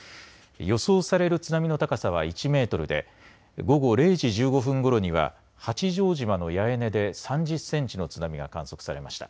予想される津波の高さは１メートルで午後０時１５分ごろには八丈島の八重根で３０センチの津波が観測されました。